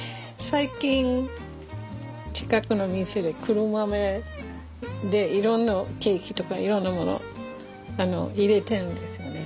最近近くの店で黒豆でいろんなケーキとかいろんなもの入れてるんですよね。